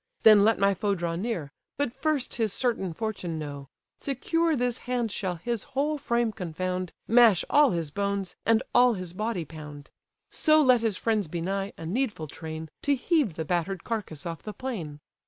Then let my foe Draw near, but first his certain fortune know; Secure this hand shall his whole frame confound, Mash all his bones, and all his body pound: So let his friends be nigh, a needful train, To heave the batter'd carcase off the plain."